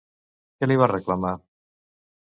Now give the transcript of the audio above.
Què li va reclamar?